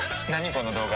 この動画。